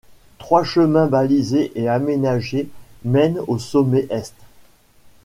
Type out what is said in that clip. Trois chemins balisés et aménagés mènent au sommet est.